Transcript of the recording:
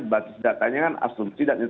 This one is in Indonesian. basis datanya kan asumsi dan